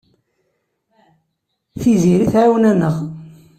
Tiziri tɛawen-aneɣ.